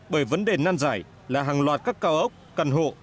bởi vấn đề nan giải là hàng loạt các cao ốc căn hộ